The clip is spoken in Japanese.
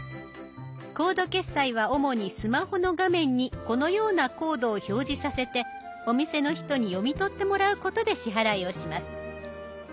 コード決済は主にスマホの画面にこのようなコードを表示させてお店の人に読み取ってもらうことで支払いをします。